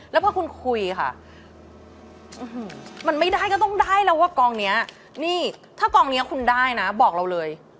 แล้วพอคุณคุยค่ะมันไม่ได้ก็ต้องได้แล้วว่ากองนี้นี่ถ้ากองนี้คุณได้นะบอกเราเลย